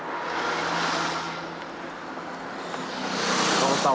岡本さん